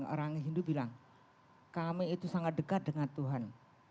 orang hindu bilang kami itu sangat dekat dengan tuhan